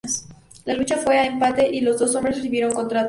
La lucha fue a un empate y los dos hombres recibieron contratos.